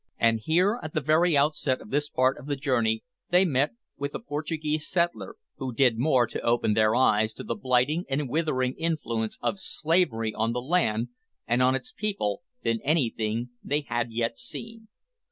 And here, at the very outset of this part of the journey, they met with a Portuguese settler, who did more to open their eyes to the blighting and withering influence of slavery on the land and on its people than anything they had yet seen.